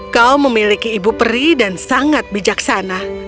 kau memiliki ibu peri dan sangat bijaksana